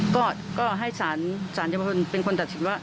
ก็ให้สารเยาวชนเป็นคนตัดสินว่า